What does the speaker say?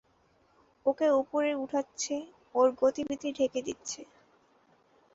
ওকে উপরে উঠাচ্ছে, ওর গতিবিধি ঢেকে দিচ্ছে।